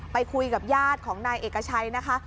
ไปคุยกับญาติของนายเอกชัยนะคะ